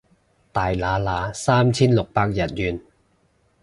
大拿拿三千六百日圓